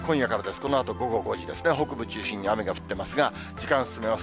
このあと午後５時ですね、北部中心に雨が降ってますが、時間進めます。